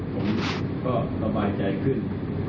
ผมก็สบายใจขึ้น